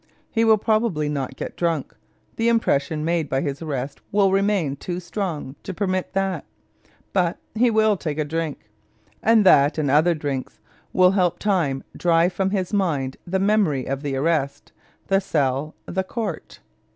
He will probably not get drunk, the impression made by his arrest will remain too strong to permit that, but he will take a drink. And that and other drinks will help time drive from his mind the memory of the arrest, the cell, the court.